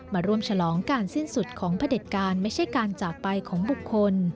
มาร่วมฉลองการสิ้นสุดของพระเด็จการไม่ใช่การจากไปของบุคคล